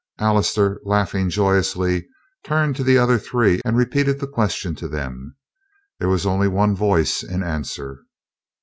Allister, laughing joyously, turned to the other three and repeated the question to them. There was only one voice in answer.